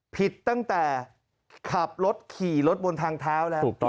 ผิดตั้งแต่ขับรถขี่รถบนทางเท้าแล้วถูกต้อง